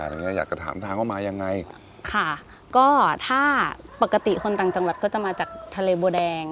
อย่างเงี้อยากจะถามทางว่ามายังไงค่ะก็ถ้าปกติคนต่างจังหวัดก็จะมาจากทะเลบัวแดง